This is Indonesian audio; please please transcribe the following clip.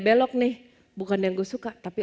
belok nih bukan yang gue suka tapi